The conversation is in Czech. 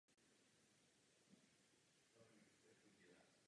Narodila se v Nice v židovské rodině.